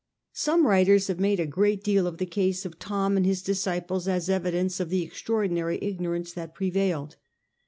Some writers have made a great deal of the case of Thom and his disciples as evidence of the ex traordinary ignorance that prevailed.